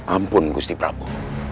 ampun gusti prabu